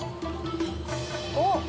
おっ！